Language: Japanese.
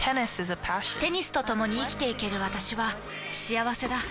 テニスとともに生きていける私は幸せだ。